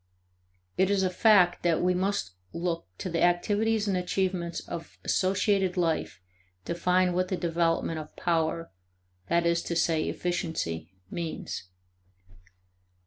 It is a fact that we must look to the activities and achievements of associated life to find what the development of power that is to say, efficiency means.